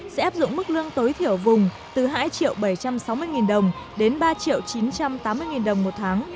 sẽ áp dụng mức lương tối thiểu vùng từ hai bảy trăm sáu mươi đồng đến ba chín trăm tám mươi đồng một tháng